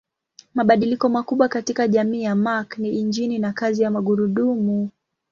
Mabadiliko makubwa katika jamii ya Mark ni injini na kazi ya magurudumu.